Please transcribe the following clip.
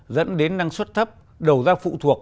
dẫn đến năng suất thấp đầu ra phụ thuộc